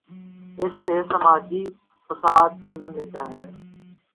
اس سے سماجی فساد جنم لیتا ہے۔